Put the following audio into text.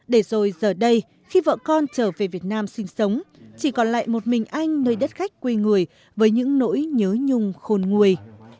để rồi giờ đây khi vợ con trở về việt nam sinh sống chỉ còn lại một mình anh nơi đất khách quê người với những nỗi nhớ nhung khôn nguôi